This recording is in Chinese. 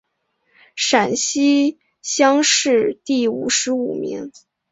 陕西乡试第五十五名。